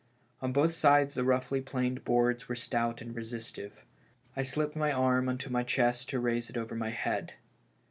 On both sides the roughly planed boards were stout and resistive. I slipped my arm on to my chest to raise it over my head.